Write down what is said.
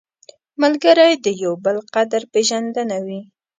ملګری د یو بل قدر پېژندنه وي